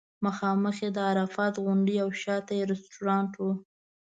مخامخ یې د عرفات غونډۍ او شاته یې رستورانټ و.